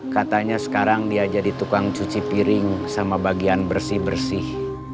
katanya sekarang dia jadi tukang cuci piring sama bagian bersih bersih